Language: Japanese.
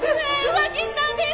浮気したんですか！？